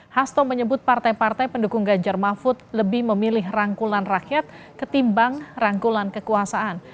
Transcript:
hasto menyebut partai partai pendukung ganjar mahfud lebih memilih rangkulan rakyat ketimbang rangkulan kekuasaan